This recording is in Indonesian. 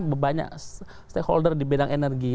bebanyak stakeholder di bidang energi